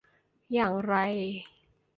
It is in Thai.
อย่างไร